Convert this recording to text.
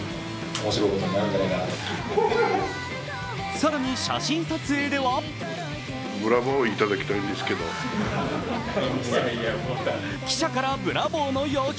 更に写真撮影では記者からブラボーの要求。